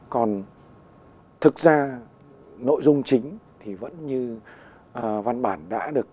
còn thực ra nội dung chính thì vẫn như văn bản đã được